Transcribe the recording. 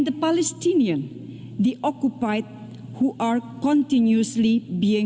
dan palestina penyelamat yang selalu diperlukan